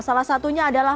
salah satunya adalah